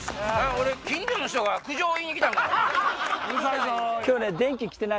俺近所の人が苦情言いに来たんか思った。